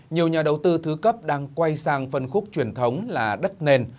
nhiều nhà đầu tư thứ cấp đang quay sang phân khúc truyền thống là đất nền